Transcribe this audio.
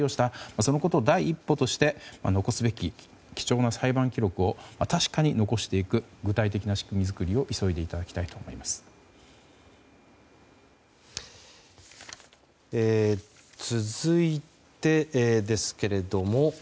そのことを第一歩として残すべき貴重な裁判記録を確かに残していく具体的な仕組み作りを急いでいただきたいと思います。